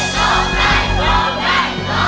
ร้องได้